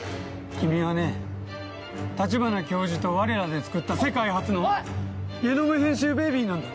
君はね立花教授と我らでつくった世界初のゲノム編集ベビーなんだよ。